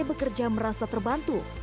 bekerja merasa terbantu